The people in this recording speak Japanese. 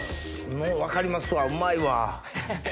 ・もう分かりますわうまいわ。